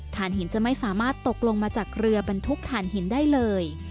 ฐานหินจะไม่สามารถตกลงมาจากเรือบรรทุกฐานหินได้เลย